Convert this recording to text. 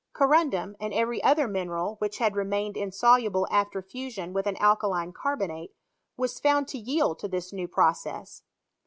Corundum, and every otherniineral which had remained insoluble at>er fusion with an alkaline carbonate, was found to yield to this new process.